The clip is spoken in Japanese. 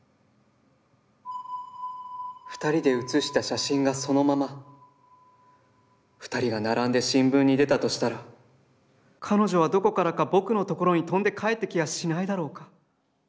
「二人で写した写真がそのまま、二人が並んで新聞に出たとしたら、彼女はどこからか僕のところに飛んで帰って来やしないだろうか。